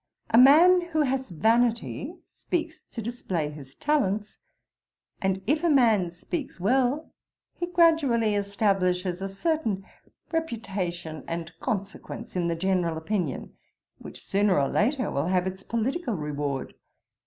A man, who has vanity, speaks to display his talents; and if a man speaks well, he gradually establishes a certain reputation and consequence in the general opinion, which sooner or later will have its political reward.